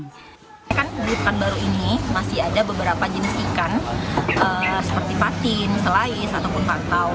di pekanbaru ini masih ada beberapa jenis ikan seperti patin selais ataupun patau